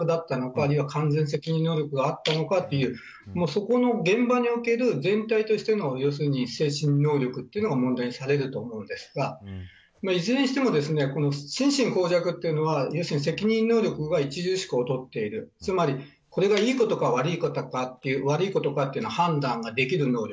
あるいは完全責任能力があったのかというそこの現場における全体としての精神能力というのが問題にされると思うんですがいずれにしても心神耗弱というのは責任能力が著しく劣っているこれがいいことか悪いことかというのを判断ができる能力。